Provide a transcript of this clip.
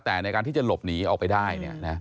แต่ในการที่จะหลบหนีออกไปได้